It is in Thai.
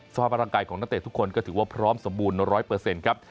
สภาพร่างกายของนักเตะทุกคนก็ถือว่าพร้อมสมบูรณ์๑๐๐ครับ